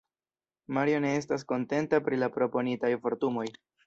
Mario ne estas kontenta pri la proponitaj vortumoj.